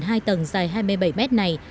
hai tầng dài hai mươi bảy mét này